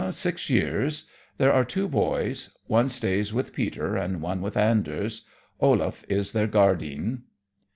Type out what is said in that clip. "Six years. There are two boys. One stays with Peter and one with Anders. Olaf is their guardeen."